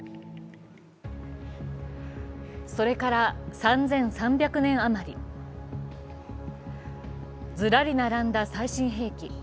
それから３３００年余りずらり並んだ最新兵器。